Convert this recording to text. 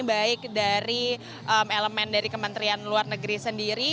baik dari elemen dari kementerian luar negeri sendiri